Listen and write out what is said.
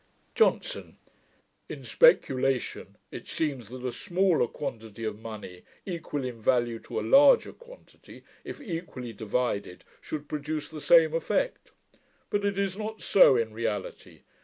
JOHNSON. 'In speculation, it seems that a smaller quantity of money, equal in value to a larger quantity, if equally divided, should produce the same effect. But it is not so in reality.